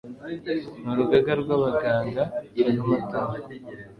n urugaga rw abaganga b amatungo